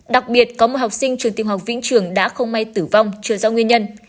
đặc biệt có một học sinh trường tiểu học vĩnh trường đã không may tử vong chưa rõ nguyên nhân